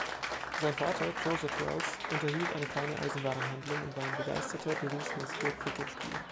Sein Vater, Joseph Wells, unterhielt eine kleine Eisenwarenhandlung und war ein begeisterter, berufsmäßiger Cricketspieler.